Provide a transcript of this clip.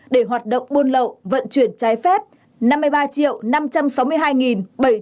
để hoạt động buôn lậu vận chuyển trái phép năm mươi ba triệu năm trăm sáu mươi hai nghìn